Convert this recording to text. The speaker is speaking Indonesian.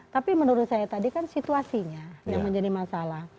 tapi menurut saya tadi kan situasinya yang menjadi masalah